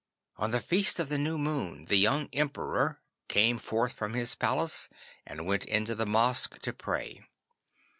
On the feast of the New Moon the young Emperor came forth from his palace and went into the mosque to pray.